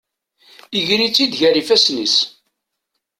Iger-itt-id gar ifasen-is.